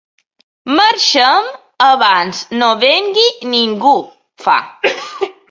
Marxem abans no vingui ningú, fa.